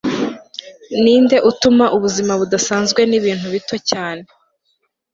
Ninde utuma ubuzima budasanzwe nibintu bito cyane